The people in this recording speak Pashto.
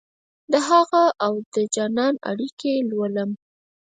دهغه اودجانان اړیکې لولم